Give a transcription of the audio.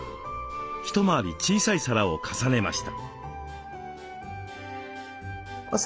一回り小さい皿を重ねました。